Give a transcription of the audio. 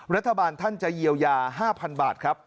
รัฐบาลท่านจะเยียวยา๕๐๐๐บาทครับ